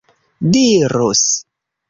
dirus